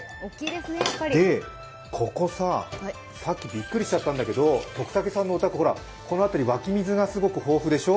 ここ、さっきびっくりしちゃったんだけど、徳竹さんのお宅この辺り湧き水がすごく豊富でしょ。